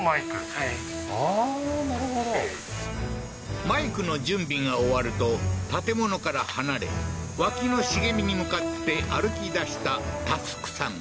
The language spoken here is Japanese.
はいああーなるほどマイクの準備が終わると建物から離れ脇の茂みに向かって歩きだした佑さん